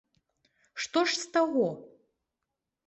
Што ж з таго!